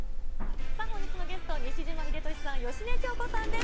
さあ、本日のゲスト、西島秀俊さん、芳根京子さんです。